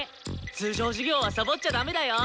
通常授業はさぼっちゃダメだよ！